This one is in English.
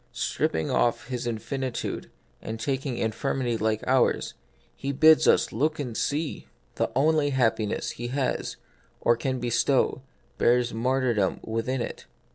Stripping off His in finitude, and taking infirmity like ours, He bids us look and see ! The only happiness He has, or can bestow, bears martyrdom within it.